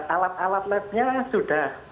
alat alat lab nya sudah